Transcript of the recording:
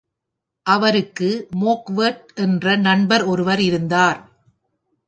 அவருக்கு மோக்வெட் என்ற நண்பர் ஒருவர் இருந்தார்.